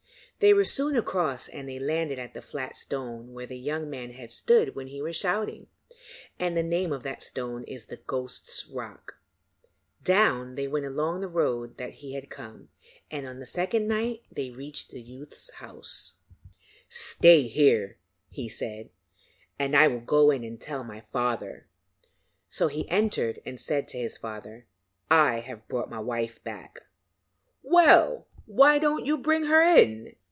They were soon across and they landed at the flat stone where the young man had stood when he was shouting, and the name of that stone is the Ghost's Rock. Down they went along the road that he had come, and on the second night they reached the youth's house. [Illustration: THE TLINGIT CHIEF FINDS HIS WIFE IS ILL.] 'Stay here,' he said, 'and I will go in and tell my father.' So he entered and said to his father: 'I have brought my wife back.' 'Well, why don't you bring her in?'